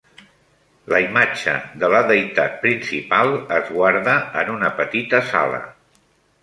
La imatge de la deïtat principal es guarda en una petita sala.